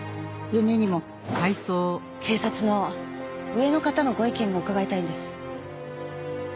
警察の上の方のご意見を伺いたいんです。